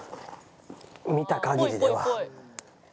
見た限りでは。